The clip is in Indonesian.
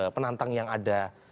penantang yang ada